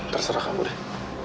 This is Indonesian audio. terserah kamu deh